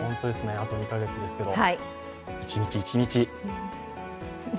あと２カ月ですけれども、一日一日。